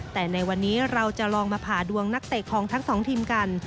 แต่ในวันนี้เราจะลองมาผ่าดวงนักเตะของทั้งสองทีมกัน